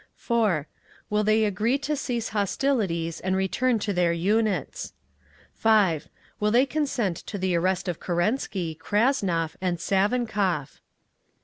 (4) Will they agree to cease hostilities and return to their units? (5) Will they consent to the arrest of Kerensky, Krasnov and Savinkov?